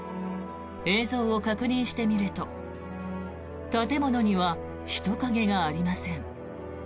映像を確認してみると建物には人影がありません。